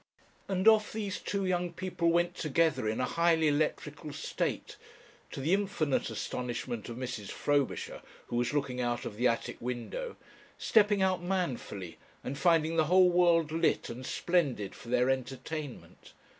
And off these two young people went together in a highly electrical state to the infinite astonishment of Mrs. Frobisher, who was looking out of the attic window stepping out manfully and finding the whole world lit and splendid for their entertainment.